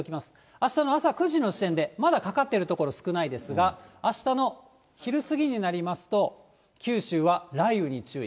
あしたの朝９時の時点でまだかかっている所少ないですが、あしたの昼過ぎになりますと、九州は雷雨に注意。